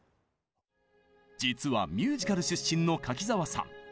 実はミュージカル出身の柿澤さん。